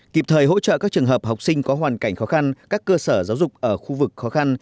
kịp thời hỗ trợ các trường hợp học sinh có hoàn cảnh khó khăn các cơ sở giáo dục ở khu vực khó khăn